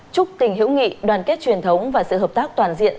chúc tình hữu nghị đoàn kết truyền thống và sự hợp tác toàn diện